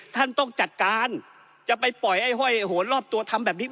ท่านต้องจัดการจะไปปล่อยไอ้ห้อยโหนรอบตัวทำแบบนี้